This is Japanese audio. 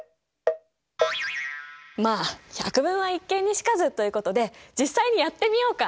まあ「百聞は一見に如かず」ということで実際にやってみようか？